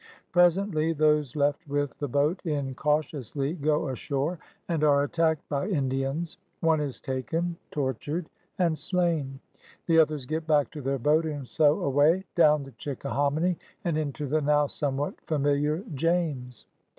Presently those left with the boat incautiously go ashore and are attacked by Indians. One is taken, tortured, and slain. The others get back to their boat and so away, down the Chickahominy and into the now somewhat familiar James.